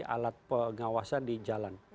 alat pengawasan di jalan